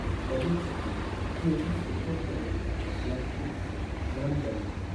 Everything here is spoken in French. Elle a deux filles, Kerry et Courtney, et un fils, Brendan.